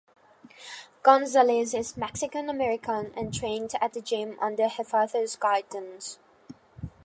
Gonzalez is Mexican-American, and trained at the gym under her father's guidance.